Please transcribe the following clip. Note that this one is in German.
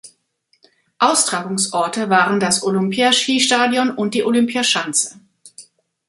Austragungsorte waren das Olympia-Skistadion und die Olympiaschanze.